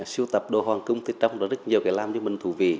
sưu tập đồ hoàng cung thì trong đó rất nhiều cái làm cho mình thú vị